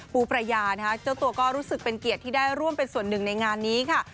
ปูประยานะคะเจ้าตัวก็รู้สึกเป็นเกียรติที่ได้ร่วมเป็นส่วนหนึ่งในงานนี้ค่ะ